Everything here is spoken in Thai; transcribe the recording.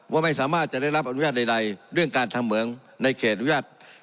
ว่าไม่สามารถจะได้รับอนุญาตใดเรื่องการทำเหมืองในเขตอนุญาต